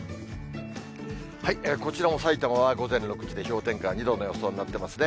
こちらもさいたまは午前６時で氷点下２度の予想になってますね。